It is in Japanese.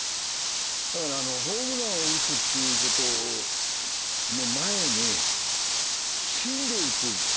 だからホームランを打つっていう事の前に芯で打つ。